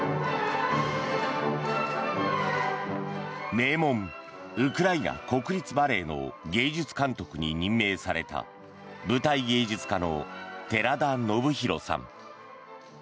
名門、ウクライナ国立バレエの芸術監督に任命された舞台芸術家の寺田宜弘さん。